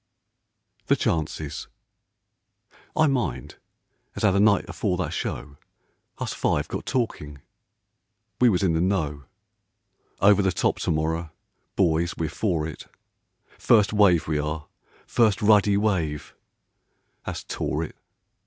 THE CHANCES. I MIND as 'ow the night afore that show Us five got talking, — we was in the know, " Over the top to morrer ; boys, we're for it, First wave we are, first ruddy wave ; that's tore it